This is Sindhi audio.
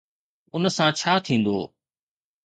ان سان ڇا ٿيندو؟